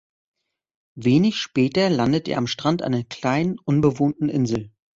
Wenig später landet er am Strand einer kleinen unbewohnten Insel.